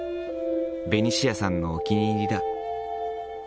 ベニシアさんのお気に入りだ。